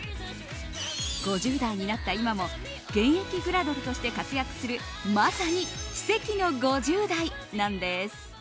５０代になった今も現役グラドルとして活躍するまさに奇跡の５０代なんです。